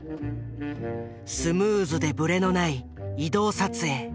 スムーズでブレのない移動撮影。